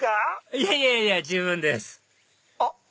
いやいやいや十分ですあっ！